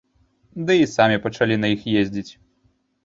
Ды і самі пачалі на іх ездзіць.